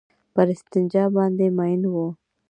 پر استنجا باندې مئين وو.